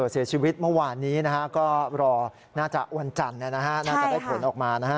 เสียชีวิตเมื่อวานนี้นะฮะก็รอน่าจะวันจันทร์น่าจะได้ผลออกมานะฮะ